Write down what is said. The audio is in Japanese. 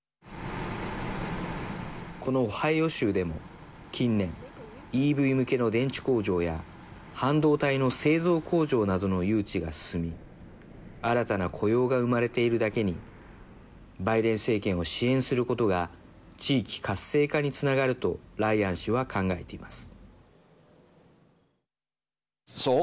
このオハイオ州でも近年、ＥＶ向けの電池工場や半導体の製造工場などの誘致が進み新たな雇用が生まれているだけにバイデン政権を支援することが地域活性化につながるとライアン氏は考えています。